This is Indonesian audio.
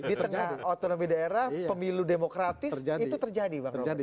di tengah otonomi daerah pemilu demokratis itu terjadi bang